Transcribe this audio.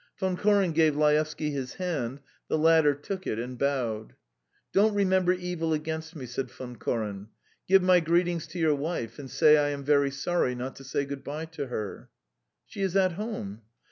Von Koren gave Laevsky his hand; the latter took it and bowed. "Don't remember evil against me," said Von Koren. "Give my greetings to your wife, and say I am very sorry not to say good bye to her." "She is at home."